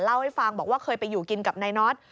เล่าให้ฟังบอกว่าเคยไปอยู่กินกับนายน็อต